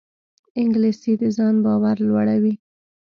انګلیسي د ځان باور لوړوي